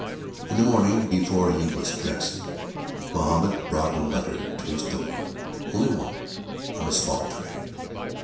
In the morning, before he was dressed, Mahommed brought a letter to his door; only one, on a small tray.